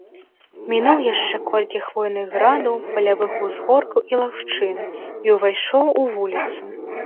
Мінуў яшчэ колькі хвойных градаў, палявых узгоркаў і лагчын і ўвайшоў у вуліцу.